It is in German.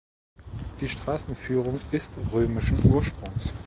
Die Straßenführung ist römischen Ursprungs.